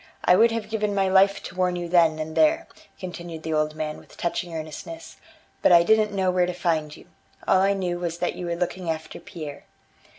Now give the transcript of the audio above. I would have given my life to warn you then and there," continued the old man with touching earnestness, "but I didn't know where to find you. All I knew was that you were looking after Pierre."